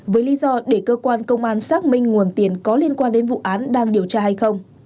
với lý do để cơ quan công an xác minh nguồn tiền có liên quan đến vụ án đang điều tra hay không